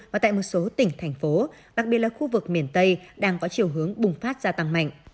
và tại một số tỉnh thành phố đặc biệt là khu vực miền tây đang có chiều hướng bùng phát gia tăng mạnh